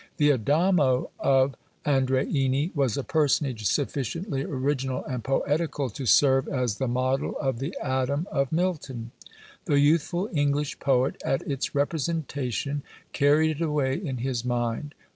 The Adamo of Andreini was a personage sufficiently original and poetical to serve as the model of the Adam of Milton. The youthful English poet, at its representation, carried it away in his mind.